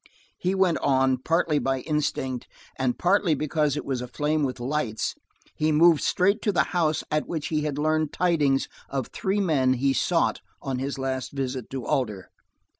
He went on. Partly by instinct, and partly because it was aflame with lights, he moved straight to the house at which he had learned tidings of three men he sought on his last visit to Alder.